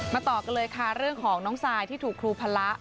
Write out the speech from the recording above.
ต่อกันเลยค่ะเรื่องของน้องซายที่ถูกครูพละ